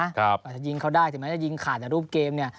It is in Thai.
อาจจะยิงเขาได้ถึงแม้จะยิงขาดแต่รูปเกมเนี่ย